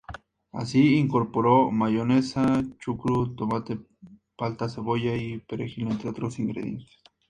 Así, incorporó mayonesa, chucrut, tomate, palta, cebolla y perejil, entre otros ingredientes.